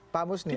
pak musni anda